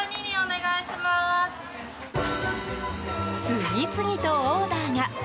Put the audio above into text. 次々とオーダーが。